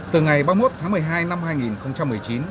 từ ngày ba mươi một tháng một mươi hai năm hai nghìn một mươi chín